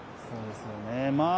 そうですよね。